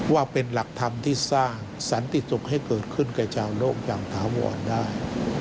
ว่าเป็นหลักธรรมที่สร้างสันติสุขให้เกิดขึ้นกับชาวโลกอย่างถาวรได้